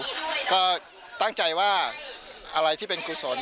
ก็ตั้งใจว่าอะไรที่เป็นกุศล